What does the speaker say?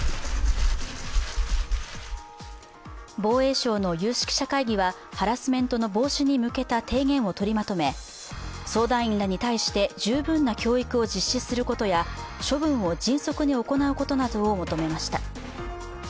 防衛省の有識者会議はハラスメントの防止に向けた提言をとりまとめ相談員らに対して十分な教育を実施することや処分を迅速に行うことなどを求めました。